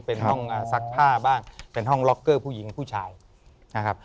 เป็นห้องซักผ้าบ้างเป็นห้องล็อกเกอร์ผู้หญิงผู้ชายนะครับ